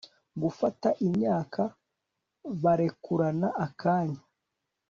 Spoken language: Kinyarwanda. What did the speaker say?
gufata imyaka! barekurana akanya